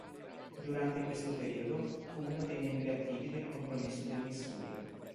Durante questo periodo, fu uno dei membri attivi del compromesso del Missouri.